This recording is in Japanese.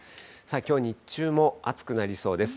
きょう日中も暑くなりそうです。